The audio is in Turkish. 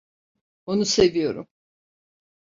Onu seviyorum.